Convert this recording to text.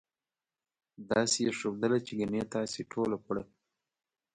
داسې یې ښودله چې ګنې تاسې ټوله پړه.